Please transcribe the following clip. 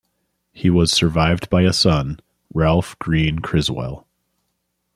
He was survived by a son, Ralph Greene Criswell.